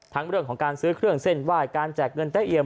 ทั้งเรื่องของการซื้อเครื่องเส้นว่ายการแจกเงินได้เอียม